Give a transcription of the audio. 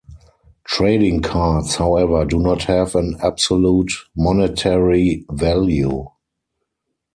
Trading cards, however, do not have an absolute monetary value.